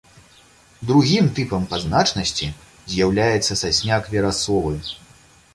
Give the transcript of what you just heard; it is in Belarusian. Другім тыпам па значнасці з'яўляецца сасняк верасовы.